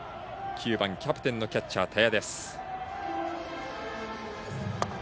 ９番、キャプテンのキャッチャー、田屋。